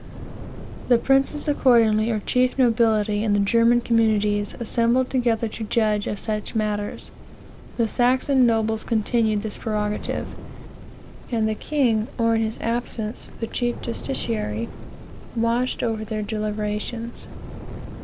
"The princes accordingly, or chief nobility, in the German communities, assembled together to judge of such matters. The Saxon nobles continued this prerogative; and the king, or, in his absence, the chief justiciary, watched over their deliberations.